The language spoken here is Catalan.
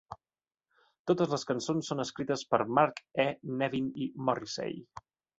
Totes les cançons són escrites per Mark E. Nevin i Morrissey.